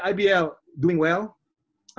ibl berjalan dengan baik